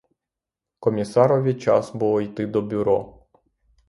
Комісарові час було йти до бюро.